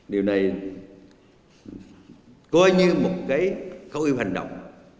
điều này coi như một cái khẩu yếu hành động